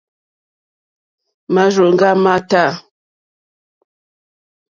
Màrzòŋɡá má tâ.